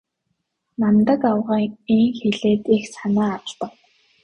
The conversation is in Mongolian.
Намдаг авга ийн хэлээд их санаа алдав.